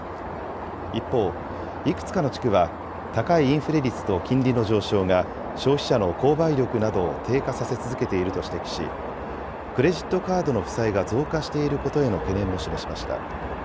一方、いくつかの地区は高いインフレ率と金利の上昇が消費者の購買力などを低下させ続けていると指摘し、クレジットカードの負債が増加していることへの懸念も示しました。